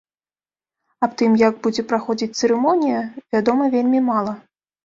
Аб тым, як будзе праходзіць цырымонія, вядома вельмі мала.